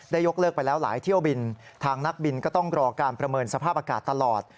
ยกเลิกไปแล้วหลายเที่ยวบินทางนักบินก็ต้องรอการประเมินสภาพอากาศตลอด